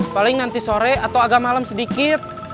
paling nanti sore atau agak malam sedikit